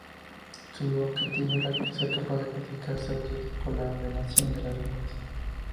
Su objetivo era ser capaz de clasificar sauces por la venación de las hojas.